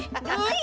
hah ih geli